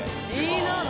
いいなぁ。